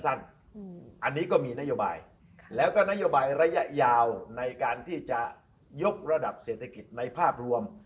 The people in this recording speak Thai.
อันนี้ก็มีนโยบายแล้วก็นโยบายระยะยาวในการที่จะยกระดับเศรษฐกิจในภาพรวม